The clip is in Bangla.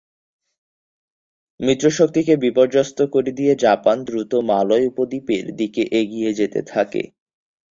মিত্রশক্তি কে বিপর্যস্ত করে দিয়ে জাপান দ্রুত মালয় উপদ্বীপের দিকে এগিয়ে যেতে থাকে।